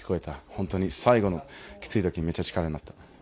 本当に最後のきついときめっちゃ力になった。